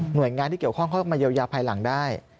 โดยงานที่เกี่ยวข้องเข้ามาเยียวยาภายหลังได้